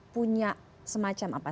punya semacam apa